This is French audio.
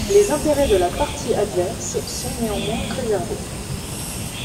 Les intérêts de la partie adverse sont néanmoins préservés.